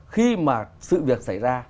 khi mà sự việc xảy ra